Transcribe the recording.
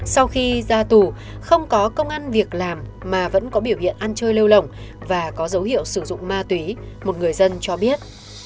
sau khi ra tù không có công an việc làm mà vẫn có biểu hiện ăn chơi lêu lỏng và có dấu hiệu sử dụng ma túy một người dân cho biết